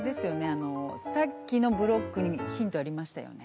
あのさっきのブロックにヒントありましたよね？